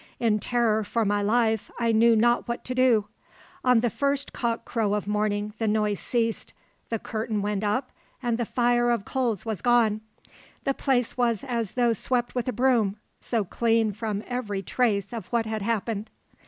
In terror for my life, I knew not what to do. On the first cock crow of morning the noise ceased, the curtain went up, and the fire of coals was gone. The place was as though swept with a broom, so clean from every trace of what had happened.